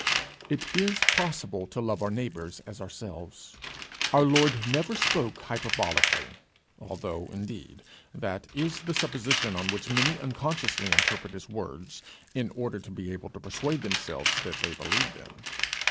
It is possible to love our neighbour as ourselves. Our Lord never spoke hyperbolically, although, indeed, that is the supposition on which many unconsciously interpret his words, in order to be able to persuade themselves that they believe them.